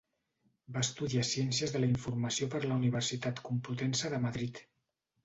Va estudiar ciències de la informació per la Universitat Complutense de Madrid.